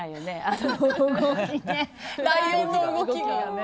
あのライオンの動きね。